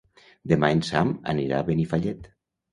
Demà en Sam anirà a Benifallet.